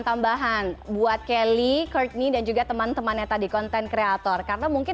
tambahan buat kelly courtney dan juga teman temannya tadi konten kreator karena mungkin